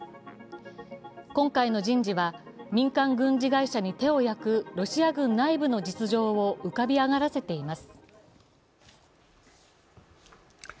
今回の人事は民間軍事会社に手を焼くロシア軍内部の実情を浮かび上がらせています。